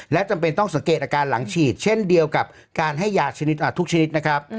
และจำเป็นต้องสังเกตอาการหลังฉีดเช่นเดียวกับการให้ยาชนิดทุกชนิดนะครับ